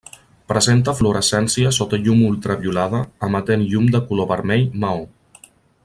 Presenta fluorescència sota llum ultraviolada, emetent llum de color vermell maó.